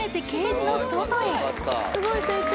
すごい成長。